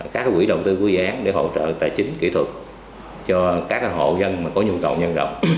các quỹ đầu tư của dự án để hỗ trợ tài chính kỹ thuật cho các hộ dân có nhu cầu nhân động